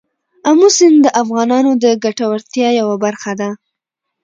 آمو سیند د افغانانو د ګټورتیا یوه برخه ده.